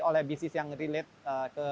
oleh bisnis yang relate ke